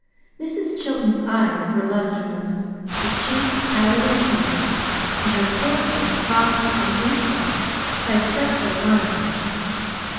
Mrs. Chilton's eyes were lusterless, her cheeks pallid and shrunken, and her forehead crossed and recrossed by fretful lines.